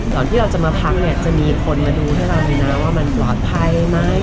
ก่อนว่าจะพักจะมีคนมาดูให้เรามีนะว่ามันปลอดภัยไหม